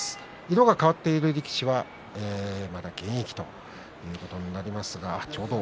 色が変わっている力士はまだ現役ということになります。